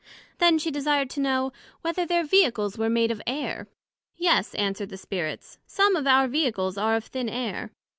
Then she desired to know, Whether their Vehicles were made of Air? Yes, answered the Spirits, some of our Vehicles are of thin Air.